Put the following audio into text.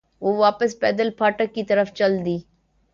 وہ واپس پیدل پھاٹک کی طرف چل دی۔